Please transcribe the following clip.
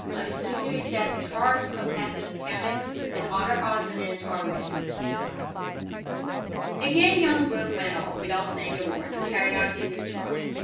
I'll see to it that charts, compasses, canvas, and other odds and ends are ready." Again young Brooke went off, without saying a word, to carry out his instructions.